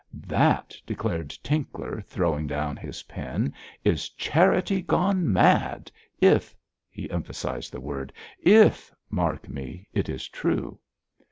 'That,' declared Tinkler, throwing down his pen, 'is charity gone mad if' he emphasised the word 'if, mark me, it is true.'